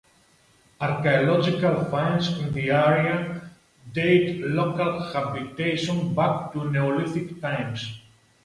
Archaeological finds in the area date local habitation back to Neolithic times.